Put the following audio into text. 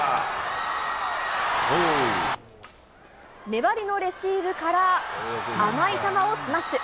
粘りのレシーブから甘い球をスマッシュ。